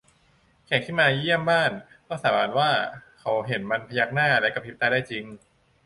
แขกที่มาเยี่ยมบ้านก็สาบานว่าเขาเห็นมันพยักหน้าและกะพริบตาได้จริง